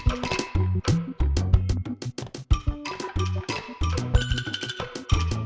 anak mbak darman